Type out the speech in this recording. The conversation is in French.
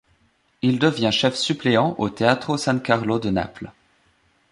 Il devient chef suppléant au Teatro San Carlo de Naples.